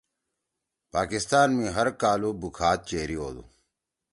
پاکستان می ہر کالُو بُوکھاد چیری ہودُو۔